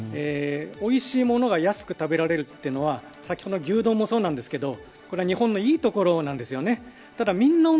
おいしいものが安く食べられるというのは先ほどの牛丼もそうなんですがこれは日本のいいところなんです。